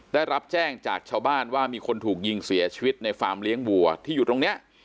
ได้รับแจ้งจากชาวบ้านว่ามีคนถูกยิงเสียชีวิตในฟาร์มเลี้ยงวัวที่อยู่ตรงนี้